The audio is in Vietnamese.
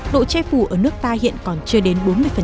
độ chai phù ở nước ta hiện còn chưa đến bốn mươi